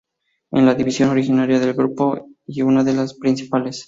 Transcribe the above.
Es la división originaria del grupo, y una de las principales.